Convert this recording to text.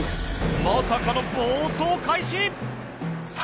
まさかの暴走開始！